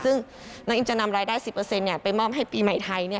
ซึ่งน้องอิมจะนำรายได้๑๐ไปมอบให้ปีใหม่ไทย